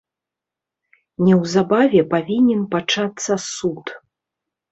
Неўзабаве павінен пачацца суд.